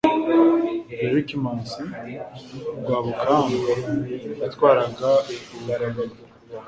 berkimansi rwabukamba yatwaraga ubugarura